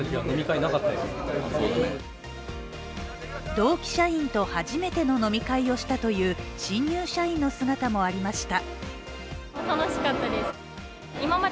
同期社員と初めての飲み会をしたという新入社員の姿もありました。